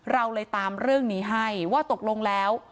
เราเลยตามเรื่องนี้ให้ว่าตกลงแล้ว